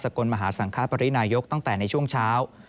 กลมหาสังคปรินายกตั้งแต่ในช่วงเช้า